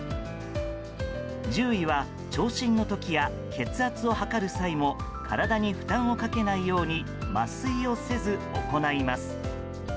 獣医は、聴診の時や血圧を測る際も体に負担をかけないように麻酔をせず、行います。